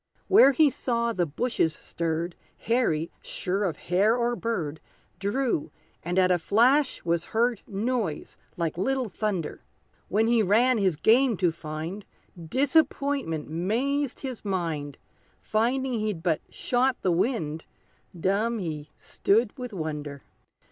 Where he saw the bushes stirred, Harry, sure of hare or bird, Drew, and at a flash was heard Noise like little thunder. When he ran his game to find, Disappointment 'mazed his mind; Finding he'd but shot the wind, Dumb he stood with wonder!